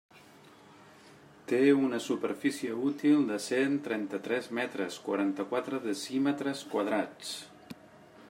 Té una superfície útil de cent trenta-tres metres, quaranta-quatre decímetres quadrats.